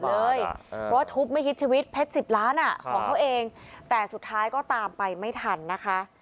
เพราะว่าทุบไม่คิดชีวิตเพชร๑๐ล้านของเขาเองแต่สุดท้ายก็ตามไปไม่ทันนะคะ